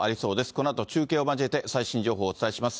このあと中継を交えて最新情報をお伝えします。